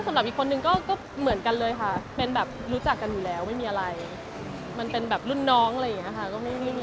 สำหรับอีกคนนึงก็เหมือนกันเลยค่ะเป็นแบบรู้จักกันอยู่แล้วไม่มีอะไรมันเป็นแบบรุ่นน้องอะไรอย่างนี้ค่ะ